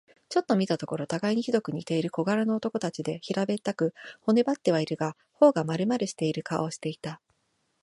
ちょっと見たところ、たがいにひどく似ている小柄な男たちで、平べったく、骨ばってはいるが、頬がまるまるしている顔をしていた。